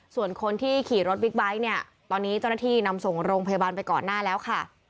ส่วนคนที่ขี่รถบิ๊กไบท์เนี่ยตอนนี้เจ้าหน้าที่นำส่งโรงพยาบาลไปก่อนหน้าแล้วค่ะ